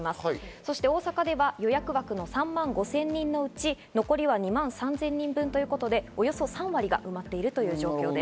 そして大阪では予約枠３万５０００人のうち残りは２万３０００人分ということで、およそ３割が埋まっているという状況です。